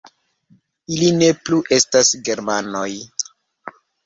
Ili ne plu estas germanoj